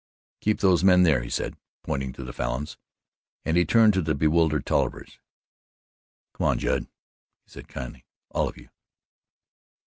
"Keep those men there," he said, pointing to the Falins, and he turned to the bewildered Tollivers. "Come on, Judd," he said kindly "all of you."